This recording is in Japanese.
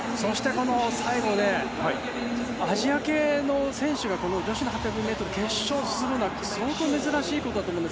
最後、アジア系の選手が女子の８００ｍ決勝に進むなんて相当珍しいことだと思います。